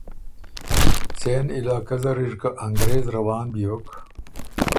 څېن علاقۀ زر اِر که انګرېز روان بیوک